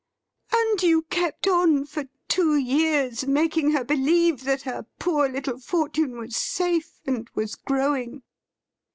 ' And you kept on for two years making her believe that her poor little fortune was safe and was growing.'